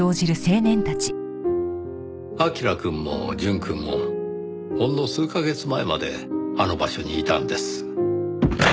彬くんも淳くんもほんの数カ月前まであの場所にいたんです。